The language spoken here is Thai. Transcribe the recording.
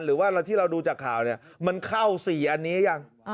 หรือว่าถ้าที่ราวดูจากข่าวมันเข้าสี่อันนี้หรือยัง